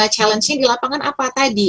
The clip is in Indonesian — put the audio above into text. challengenya di lapangan apa tadi